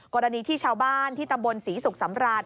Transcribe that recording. กรณีที่ชาวบ้านที่ตำบลศรีสุขสำราญ